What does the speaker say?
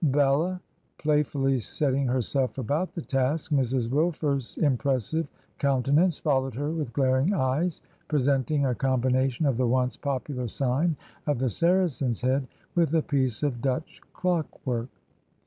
Bella play fully setting herself about the task, Mrs. Wilfer's im pressive countenance followed her with glaring eyes, presenting a combination of the once popular sign of the Saracen's Head with a piece of Dutch clock work.